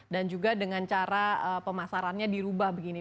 dan juga dengan cara pemasarannya dirubah begini